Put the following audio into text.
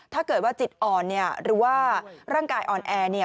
ถ้าเกิดว่าจิตอ่อนหรือว่าร่างกายอ่อนแอ